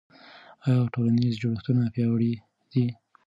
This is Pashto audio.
آیا ټولنیز جوړښتونه پیاوړي دي؟